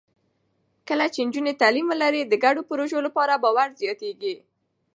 کله چې نجونې تعلیم ولري، د ګډو پروژو لپاره باور زیاتېږي.